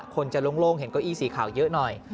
คนจะโล่งเห็นเก้าอี้สีขาวเยอะหน่อย